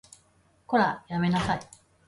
こら、やめなさい